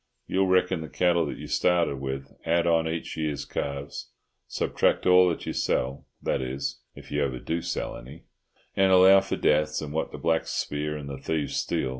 You'll reckon the cattle that you started with, add on each year's calves, subtract all that you sell,—that is, if you ever do sell any—and allow for deaths, and what the blacks spear and the thieves steal.